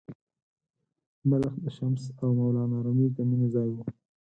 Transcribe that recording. بلخ د “شمس او مولانا رومي” د مینې ځای و.